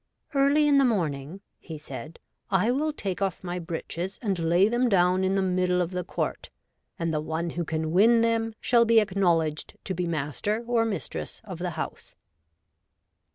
' Early in the morning,' he said, ' I will take off my breeches and lay them down in the middle of the court, and the one who can win them shall be DOMESTIC STRIFE. 115 acknowledged to be master or mistress of the house.'